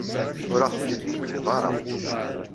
Ur aɣ-ten-id-temliḍ ara.